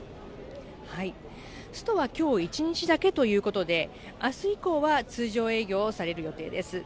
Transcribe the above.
ストはきょう一日だけということで、あす以降は通常営業される予定です。